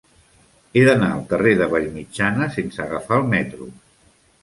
He d'anar al carrer de Vallmitjana sense agafar el metro.